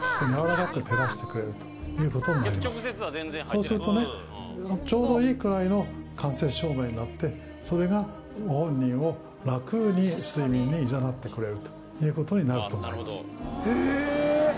そうするとねちょうどいいくらいの間接照明になってそれがご本人を楽に睡眠にいざなってくれるということになると思います